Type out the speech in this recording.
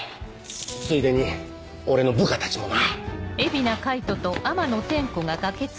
ついでに俺の部下たちもな。